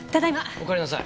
おかえりなさい。